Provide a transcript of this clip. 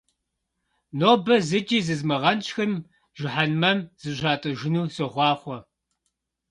Нобэ зыкӀи зызмыгъэнщӀхэм жыхьэнмэм зыщатӀыжыну сохъуахъуэ!